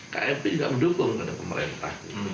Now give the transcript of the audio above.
kmp tidak mendukung pada pemerintah